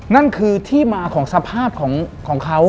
นั่นคือที่มาของสภาพของเขา